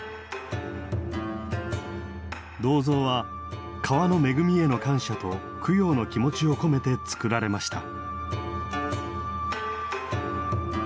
銅像は川の恵みへの感謝と供養の気持ちを込めて作られました。